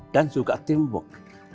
dan juga teamwork